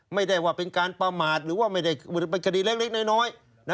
ไม่ได้ว่าเป็นการประมาทหรือว่าไม่ได้เป็นคดีเล็กน้อย